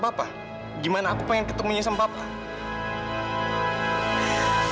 bapak gimana aku pengen ketemunya sama bapak